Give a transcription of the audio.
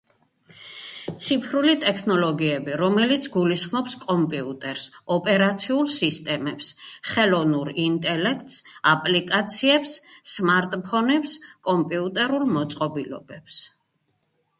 ციფრული ტექნოლოგიები, რომელიც გულისხმობს კომპიუტერს, ოპერაციულ სისტემებს, ხელოვნურ ინტელექტს, აპლიკაციებს, სმარტფონებს, კომპიუტერულ მოწყობილობებს.